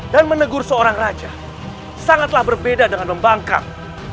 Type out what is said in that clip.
dan menegur seorang raja sangatlah berbeda dengan membangkang